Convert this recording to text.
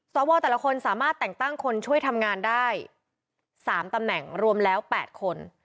สวแต่ละคนสามารถแต่งตั้งคนช่วยทำงานได้๓ตำแหน่งรวมแล้ว๘คน